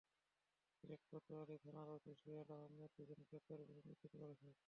সিলেট কোতোয়ালি থানার ওসি সোহেল আহমদ দুজনকে গ্রেপ্তারের বিষয়টি নিশ্চিত করেছেন।